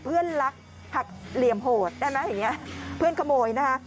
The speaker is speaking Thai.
เพื่อนรักหักเหลี่ยมโหดได้ไหมเห็นไหมเพื่อนขโมยนะคะ